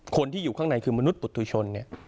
คนที่อยู่ข้างในคือมนุษย์ปุฏุชนเนี่ย